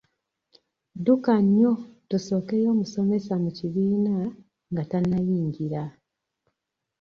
Dduka nnyo tusookeyo omusomesa mu kibiina nga tannayingira.